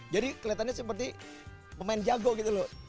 jadi kelihatannya seperti pemain jago gitu loh